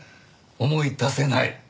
思い出せない？